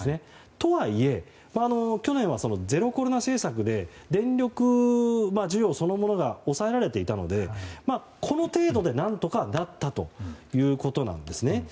とはいえ、去年はゼロコロナ政策で電力需要そのものが抑えられていたのでこの程度で何とかなったということですね。